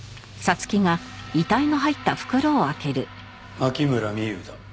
牧村美優だ。